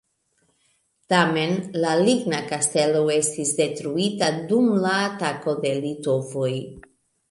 Tamen la ligna kastelo estis detruita dum la atako de litovoj.